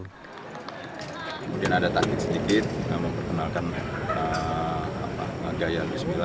kemudian ada taktik sedikit kita memperkenalkan gaya luis mila